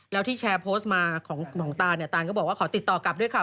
แล้วที่แชร์โพสต์ของตาลก็บอกว่าขอติดต่อกลับด้วยค่ะ